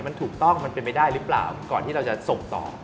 มันถูกต้องมันเป็นไปได้หรือเปล่าก่อนที่เราจะส่งต่อ